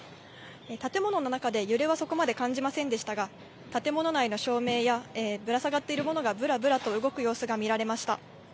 建物の中で揺れはそこまで感じませんでしたが、建物内の照明や、ぶら下がっているものが、ぶらぶらと動く様子が見られました。